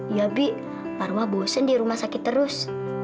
iya bi marwah bosen di rumah sakit terus